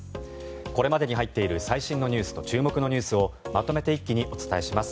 これまでに入っている最新ニュースと注目ニュースをまとめて一気にお伝えします。